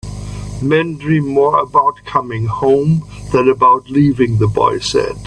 "Men dream more about coming home than about leaving," the boy said.